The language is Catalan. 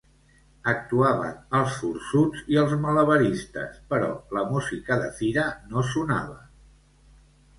Actuaven els forçuts i els malabaristes, però la música de fira no sonava.